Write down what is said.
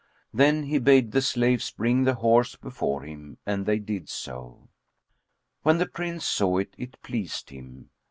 Then he bade the slaves bring the horse before him and they did so; and, when the Prince saw it, it pleased him.